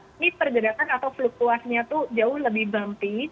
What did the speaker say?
ini perjadatan atau flukuasnya tuh jauh lebih bumpy